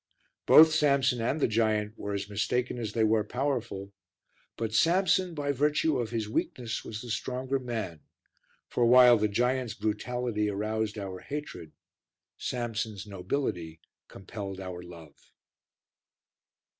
Both Samson and the giant were as mistaken as they were powerful, but Samson, by virtue of his weakness, was the stronger man, for, while the giant's brutality aroused our hatred, Samson's nobility compelled our love.